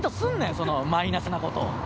そのマイナスなことを。